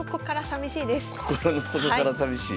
心の底から寂しい。